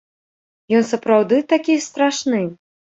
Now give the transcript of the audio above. Ён сапраўды такі страшны?